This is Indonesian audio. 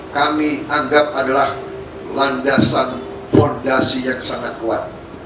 kami anggap adalah landasan fondasi yang sangat kuat